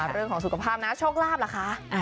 เรื่องของสุขภาพนะโชคลาภล่ะคะ